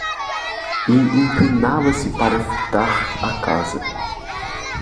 E inclinava-se para fitar a casa...